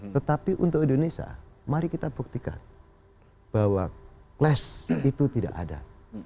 tetapi untuk indonesia mari kita buktikan bahwa class itu tidak ada